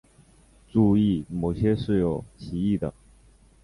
注意某些是有歧义的。